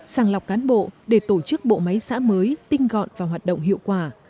sàng lọc cán bộ để tổ chức bộ máy xã mới tinh gọn và hoạt động hiệu quả